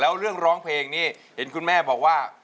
แล้วเรื่องร้องเพลงนี้เห็นคุณแม่บอกว่า